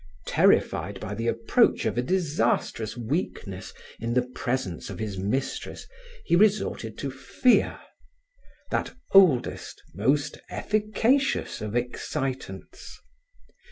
Terrified by the approach of a disastrous weakness in the presence of his mistress, he resorted to fear that oldest, most efficacious of excitants.